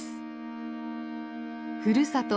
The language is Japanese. ふるさと